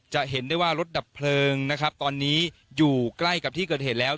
จะเห็นได้ว่ารถดับเพลิงนะครับตอนนี้อยู่ใกล้กับที่เกิดเหตุแล้ว